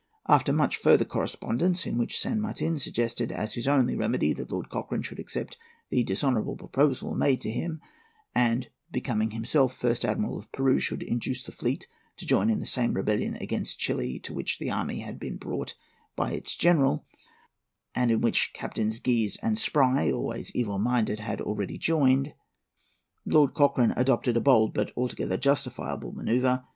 After much further correspondence—in which San Martin suggested as his only remedy that Lord Cochrane should accept the dishonourable proposal made to him, and, becoming himself First Admiral of Peru, should induce the fleet to join in the same rebellion against Chili to which the army had been brought by its general, and in which Captains Guise and Spry, always evil minded, had already joined—Lord Cochrane adopted a bold but altogether justifiable manoeuvre.